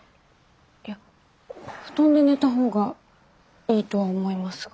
いや布団で寝たほうがいいとは思いますが。